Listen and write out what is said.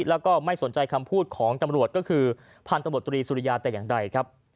แล้วก็ไม่สนใจคำพูดของตำรวจก็คือพันธบตรีสุริยาแต่อย่างใดครับ